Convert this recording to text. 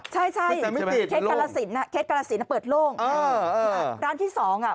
ใช่เคล็ดการาศิลป์เปิดโล่งนะครับร้านที่สอง